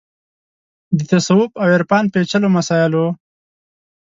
د تصوف او عرفان پېچلو مسایلو